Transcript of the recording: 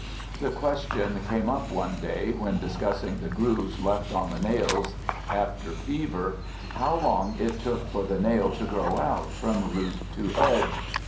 The question came up one day, when discussing the grooves left on the nails after fever, how long it took for the nail to grow out, from root to edge.